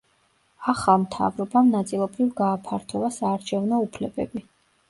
ახალ მთავრობამ ნაწილობრივ გააფართოვა საარჩევნო უფლებები.